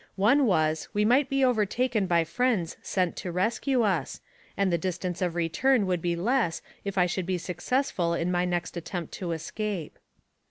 One was, we might be overtaken by friends sent to rescue us, and the distance of return would be less if I should be successful in my next attempt to escape.